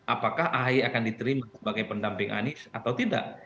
apakah ahy akan diterima sebagai pendamping anies atau tidak